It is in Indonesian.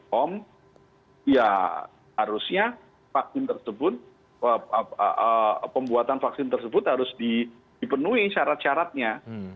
home ya harusnya vaksin tersebut pembuatan vaksin tersebut harus dipenuhi syarat syaratnya